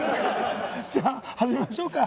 じゃあ始めましょうか！